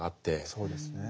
そうですね。